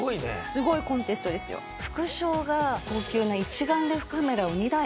すごいコンテストですよ。も頂けて。